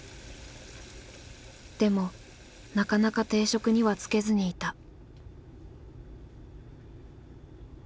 でもなかなか定職には就けずにいた。